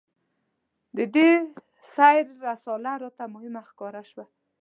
د دې سیر رساله راته مهمه ښکاره شوه.